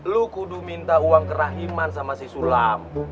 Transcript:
lu kudu minta uang kerahiman sama si sulam